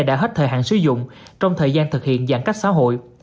đã hết thời hạn sử dụng trong thời gian thực hiện giãn cách xã hội